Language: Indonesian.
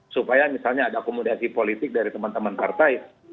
supaya misalnya ada akomodasi politik dari teman teman partai